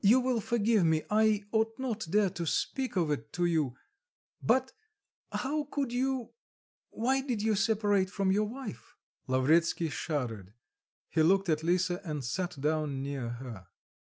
"you will forgive me, I ought not dare to speak of it to you... but how could you... why did you separate from your wife?" Lavretsky shuddered: he looked at Lisa, and sat down near her.